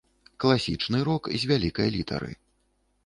Класічны рок з вялікай літары.